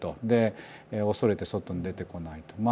で恐れて外に出てこないと。